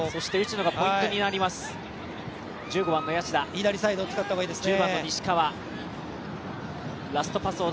左サイドを使った方がいいですね。